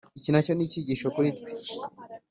Iki na cyo ni icyigisho kuri twe.